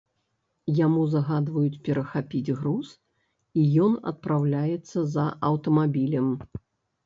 Яму загадваюць перахапіць груз, і ён адпраўляецца за аўтамабілем.